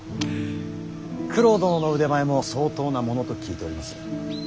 九郎殿の腕前も相当なものと聞いております。